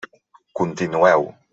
Continueu.